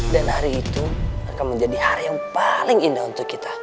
dan hari itu akan menjadi hari yang paling indah untuk kita